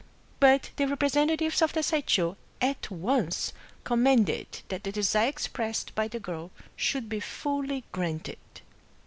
But the representatives of the Saisho at once com manded that the desire expressed by the girl should be folly granted.